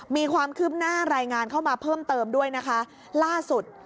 มีความคืบหน้ารายงานเข้ามาเพิ่มเติมด้วยนะคะล่าสุด